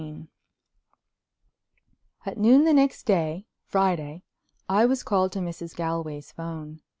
XIII At noon the next day—Friday—I was called to Mrs. Galway's phone.